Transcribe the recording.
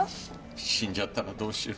死んじゃったらどうしよう。